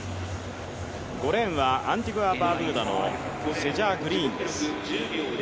これはアンティグア・バーブーダのセジャー・グリーンです。